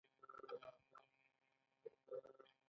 له اطاعت او همکارۍ څخه لاس اخیستل ډیر وخت غواړي.